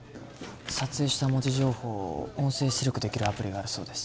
撮影した文字情報を音声出力できるアプリがあるそうです